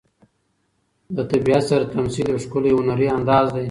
د طبیعت سره تمثیل یو ښکلی هنري انداز دی.